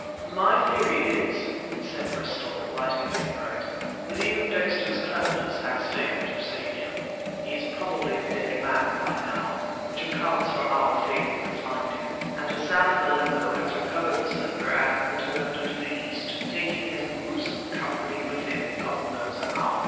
"My theory is," said Bristol, lighting a cigarette, "that even Dexter's cleverness has failed to save him. He's probably a dead man by now, which accounts for our failing to find him; and Hassan of Aleppo has recovered the slipper and returned to the East, taking his gruesome company with him—God knows how!